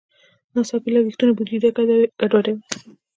ناڅاپي لګښتونه بودیجه ګډوډوي.